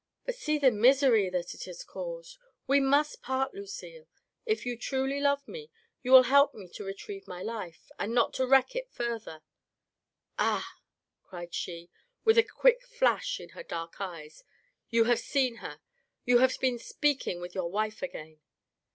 " But see the misery that it has caused. We must part, Lucille. If you truly love me you will help me to retrieve my life, and not to wreck it further." " Ah !" cried she, with a quick flash in her dark eyes. "You have seen her. You have been speaking with your wife again."